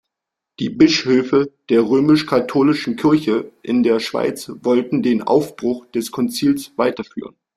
Die Bischöfe der römisch-katholischen Kirche in der Schweiz wollten den Aufbruch des Konzils weiterführen.